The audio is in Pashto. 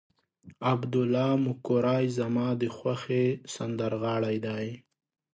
عبدالله مقری زما د خوښې سندرغاړی دی.